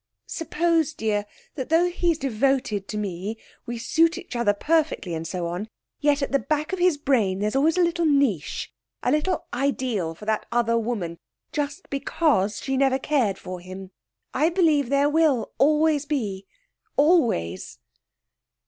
'Suppose, dear, that though he's devoted to me, we suit each other perfectly, and so on, yet at the back of his brain there's always a little niche, a little ideal for that other woman just because she never cared for him? I believe there will always be always.'